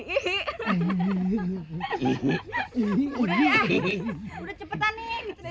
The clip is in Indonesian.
ini udah cepetan nih